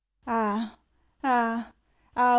Ah, ah, ah!